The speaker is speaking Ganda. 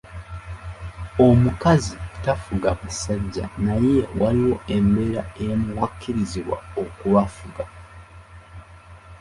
Omukazi tafuga basajja naye waliwo embeera emu w’akkiririzibwa okubafuga.